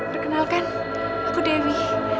perkenalkan aku dewi